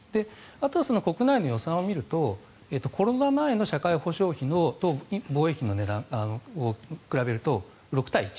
あとは国内の予算を見るとコロナ前の社会保障費と防衛費を比べると６対１。